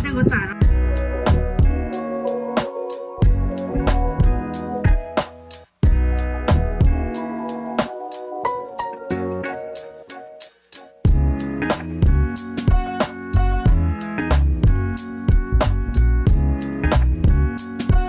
ใช่คุณยายอยู่ท่านก็อะไรเป็นสวยขนาดนี้